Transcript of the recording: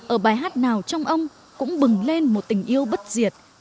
ở bài hát nào trong ông cũng bừng lên một tình yêu bất diệt